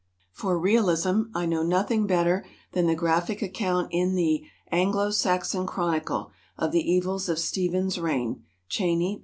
For realism, I know nothing better than the graphic account in the "Anglo Saxon Chronicle" of the evils of Stephen's reign (Cheyney, pp.